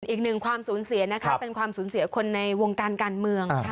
อีกหนึ่งความสูญเสียนะคะเป็นความสูญเสียคนในวงการการเมือง